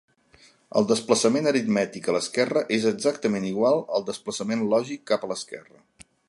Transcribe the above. El desplaçament aritmètic a l'esquerra és exactament igual al desplaçament lògic cap a l'esquerra.